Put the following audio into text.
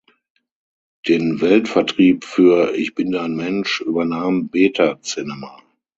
Den Weltvertrieb für "Ich bin dein Mensch" übernahm Beta Cinema.